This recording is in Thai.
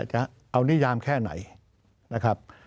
จะเอานิยามแค่ไหนนะครับ